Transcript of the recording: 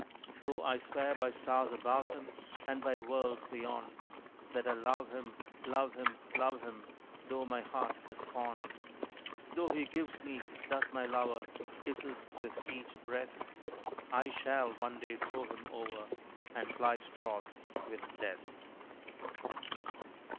Though I swear by stars above him, And by worlds beyond, That I love him love him love him; Though my heart is fond; Though he gives me, doth my lover, Kisses with each breath I shall one day throw him over, And plight troth with Death.